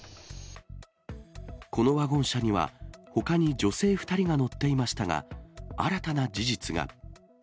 このワゴン車には、ほかに女性２人が乗っていましたが、新たな事実が。